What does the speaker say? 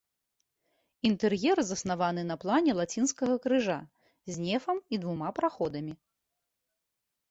Інтэр'ер заснаваны на плане лацінскага крыжа, з нефам і двума праходамі.